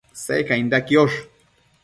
Secainda quiosh